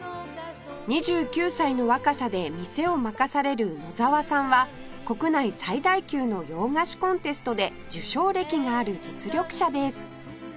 ２９歳の若さで店を任される野澤さんは国内最大級の洋菓子コンテストで受賞歴がある実力者です